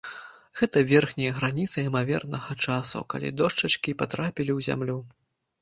Гэта верхняя граніца імавернага часу, калі дошчачкі патрапілі ў зямлю.